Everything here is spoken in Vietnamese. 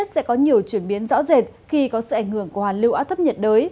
sẽ có nhiều chuyển biến rõ rệt khi có sự ảnh hưởng của hoàn lưu áp thấp nhiệt đới